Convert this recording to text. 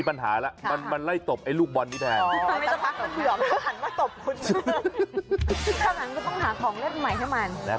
ต้องหาของเล่นใหม่ใหม่โฮ้นตัวแมว